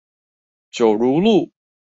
九如路